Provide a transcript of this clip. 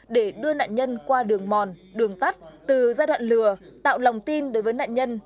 để đưa nạn nhân qua đường mòn đường tắt từ giai đoạn lừa tạo lòng tin đối với nạn nhân